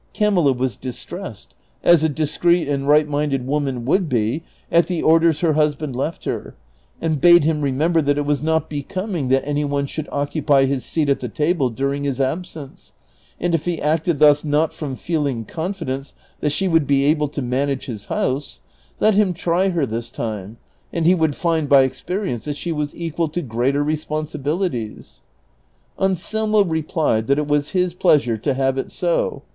Camilla was distressed, as a discreet and right minded woman would be, at the orders her hus band left her, and bade him remember that it was not becoming that any one should occupy his seat at the table dui'ing his absence, and if he acted thus from not feeling confidence that she would be able to manage his house, let him try her this time, and he would find by experience that she was equal to greater responsibilities. Anselmo replied that it was his pleasure to have it so.